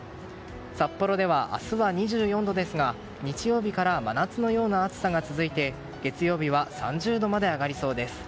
札幌では明日は２４度ですが日曜日から真夏のような暑さが続いて月曜日は３０度まで上がりそうです。